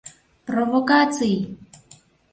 Провокаций!